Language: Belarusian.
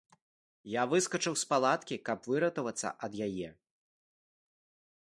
Я выскачыў з палаткі, каб выратавацца ад яе.